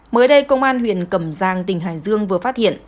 mới đây công an huyện cẩm giang tỉnh hải dương vừa phát hiện